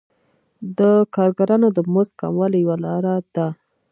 د کارګرانو د مزد کموالی یوه لاره ده